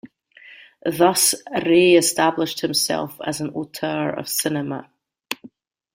Thus Ray established himself as an auteur of cinema.